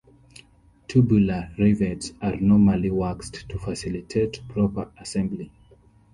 Tubular rivets are normally waxed to facilitate proper assembly.